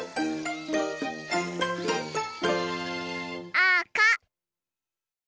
あか！